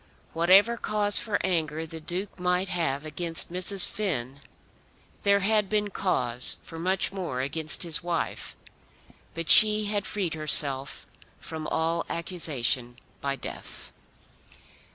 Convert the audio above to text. Whatever cause for anger the Duke might have against Mrs. Finn, there had been cause for much more against his wife. But she had freed herself from all accusation by death.